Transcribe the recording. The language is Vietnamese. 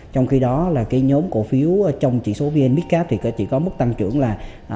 trong khi đó là cái nhóm cổ phiếu trong chỉ số vn mid cap thì chỉ có mức tăng trưởng là ba